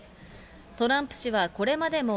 トランプ氏はこれまでも、